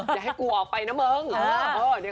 อย่าให้กูออกไปนะมึง